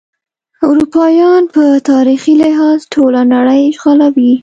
اروپایان په تاریخي لحاظ ټوله نړۍ اشغالوي.